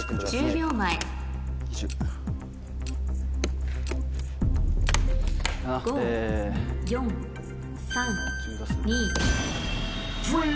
１０秒前５・４・３・２え。